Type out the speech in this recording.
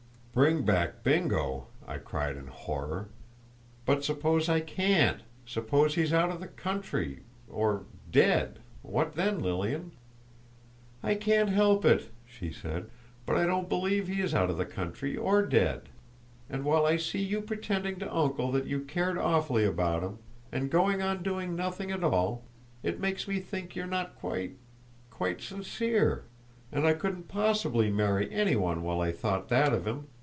"Bring back Bingo!" I cried, in horror. "But suppose I can't—suppose he's out of the country, or—dead, what then Lilian?" "I can't help it," she said, "but I don't believe he is out of the country or dead. And while I see you pretending to uncle that you cared awfully about him, and going on doing nothing at all, it makes me think you're not quite—quite sincere! And I couldn't possibly marry any one while I thought that of him.